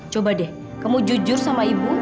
coba deh kamu jujur sama ibu